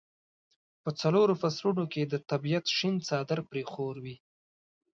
په څلورو فصلونو کې د طبیعت شین څادر پرې خور وي.